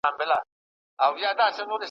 په خوښۍ د مدرسې پر لور روان وه ,